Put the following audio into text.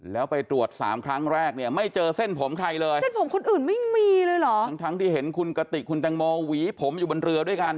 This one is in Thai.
แล้วไปตรวจสามครั้งแรกเนี่ยไม่เจอเส้นผมใครเลยเส้นผมคนอื่นไม่มีเลยเหรอทั้งทั้งที่เห็นคุณกติกคุณแตงโมหวีผมอยู่บนเรือด้วยกัน